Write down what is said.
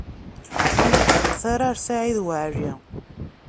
Ur neṭṭqet ara ɣer Saɛid Waɛli.